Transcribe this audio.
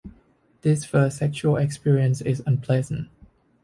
This first sexual experience is unpleasant.